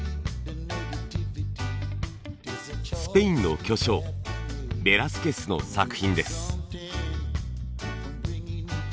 スペインの巨匠ベラスケスの作品です。